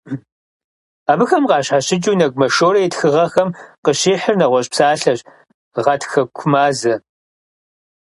Абыхэм къыщхьэщыкӀыу, Нэгумэ Шорэ и тхыгъэхэм къыщихьыр нэгъуэщӀ псалъэщ - гъатхэкумазэ.